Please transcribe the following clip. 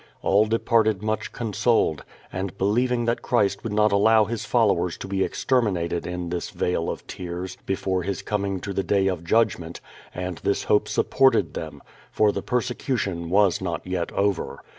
All departed much consoled, and, believ ing that Christ would not allow his followers to be extermin ated in this vale of tears before His coming to the day of judg ment, and this hope supported them, for the persecution was not yet over.